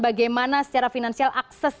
bagaimana secara financial akses